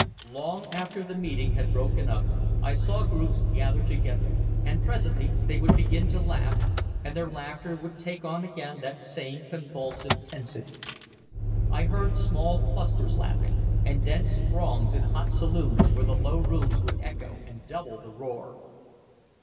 Long after the meeting had broken up I saw groups gather together, and presently they would begin to laugh, and their laughter would take on again that same convulsive tensity. I heard small clusters laughing, and dense throngs in hot saloons where the low rooms would echo and double the roar.